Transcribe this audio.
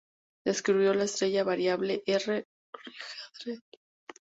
Descubrió la estrella variable R Hydrae.